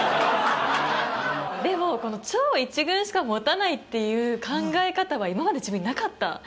でもこの超１軍しか持たないっていう考え方は今まで自分になかった。